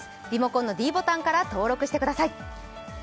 リモコンのｄボタンから登録してください。